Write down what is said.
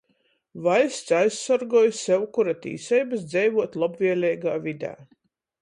Vaļsts aizsorgoj sevkura tīseibys dzeivuot lobvieleigā vidē,